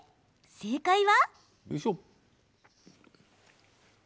正解は？